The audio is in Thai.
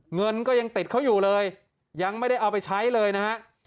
เงินก็ยังติดเขาอยู่เลยยังไม่ได้เอาไปใช้เลยนะฮะ